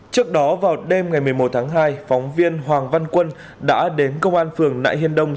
trước đó vào đêm ngày một mươi một tháng hai phóng viên hoàng văn quân đã đến công an phường nại hiên đông